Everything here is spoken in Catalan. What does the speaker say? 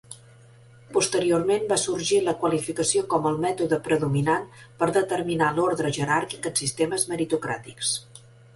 Posteriorment, va sorgir la qualificació com el mètode predominant per determinar l'ordre jeràrquic en sistemes meritocràtics.